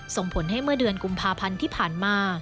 ส่งผลให้เมื่อเดือนกุมภาพันธ์ที่ผ่านมา